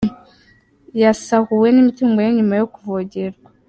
Yasahuwe n’imitungo ye nyuma yo kuvogerwa